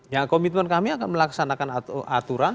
ya komitmen kami akan melaksanakan aturan